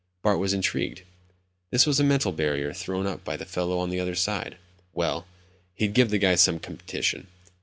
Bart was intrigued. This was a mental barrier thrown up by the fellow on the other side. Well, he'd give the guy some competition.